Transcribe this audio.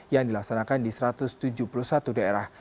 yang dilaksanakan di satu ratus tujuh puluh satu daerah